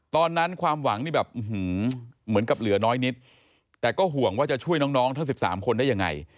ความหวังนี่แบบเหมือนกับเหลือน้อยนิดแต่ก็ห่วงว่าจะช่วยน้องทั้ง๑๓คนได้ยังไง